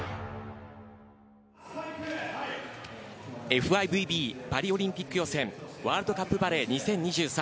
ＦＩＶＢパリオリンピック予選ワールドカップバレー２０２３